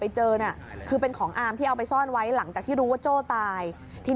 ผมจะอุ้มเป็นขึ้นรถที่พวกมันเข้าโบสถ์ไว้อยู่ไหมนะพี่